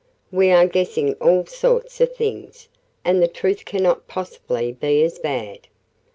We are guessing all sorts of things, and the truth cannot possibly be as bad."